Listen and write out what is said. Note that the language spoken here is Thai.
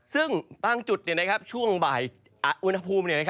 ซึ่งบางจุดช่วงบ่ายอุณหภูมิ